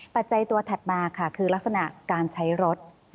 ปัจจัยตัวถัดมาค่ะคือลักษณะการใช้รถ